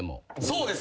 そうです！